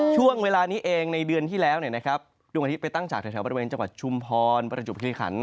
ช่วงเวลานี้เองในเดือนที่แล้วดวงอาทิตไปตั้งจากแถวบริเวณจังหวัดชุมพรประจุบคิริขัน